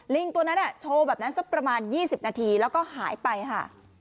ตัวนั้นโชว์แบบนั้นสักประมาณ๒๐นาทีแล้วก็หายไปค่ะ